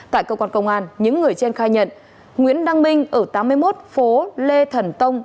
tại cơ quan công an những người trên khai nhận nguyễn đăng minh ở tám mươi một phố lê thần tông